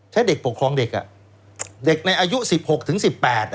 ใช้เด็กปกครองเด็กอ่ะเด็กในอายุ๑๖ถึง๑๘อ่ะ